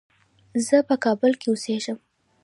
زه په کابل کې اوسېږم.